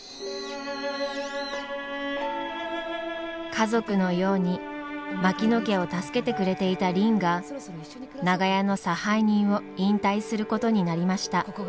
家族のように槙野家を助けてくれていたりんが長屋の差配人を引退することになりました。